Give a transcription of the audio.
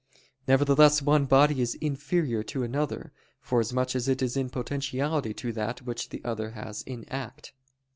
Nevertheless one body is inferior to another, forasmuch as it is in potentiality to that which the other has in act.